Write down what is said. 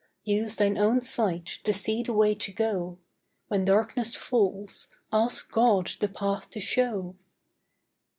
Use thine own sight to see the way to go; When darkness falls ask God the path to show.